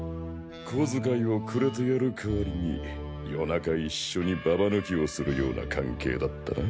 小遣いをくれてやるかわりに夜中一緒にババ抜きをするような関係だったな。